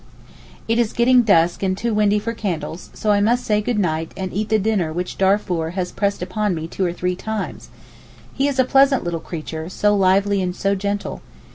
It is getting dusk and too windy for candles, so I must say goodnight and eat the dinner which Darfour has pressed upon me two or three times, he is a pleasant little creature, so lively and so gentle.